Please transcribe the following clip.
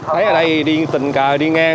thấy ở đây đi tình cờ đi ngang